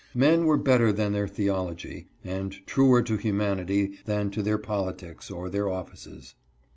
Men were better than their theology, and truer to humanity than to their politics, or their offices.